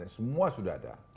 semua sudah ada